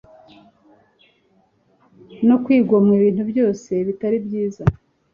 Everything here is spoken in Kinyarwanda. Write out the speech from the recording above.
no kwigomwa ibintu byose bitari byiza